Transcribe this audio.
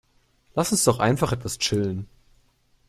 Lass uns doch einfach etwas chillen.